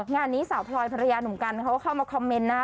งานนี้สาวพลอยภรรยาหนุ่มกันเขาก็เข้ามาคอมเมนต์นะ